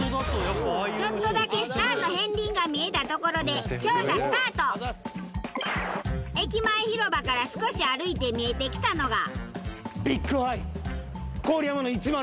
ちょっとだけスターの片鱗が見えたところで駅前広場から少し歩いて見えてきたのが。